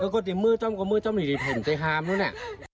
ก็ติดมื้อจ้อมเรือดีไว้บนพี่หาเรือนะ